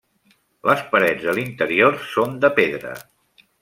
Les parets de l'interior són de pedra.